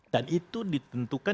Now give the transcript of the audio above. dan itu ditentukan